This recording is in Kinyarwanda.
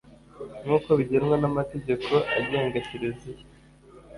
nk uko bigenwa n Amategeko agenga Kiliziya